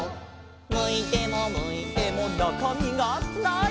「むいてもむいてもなかみがない」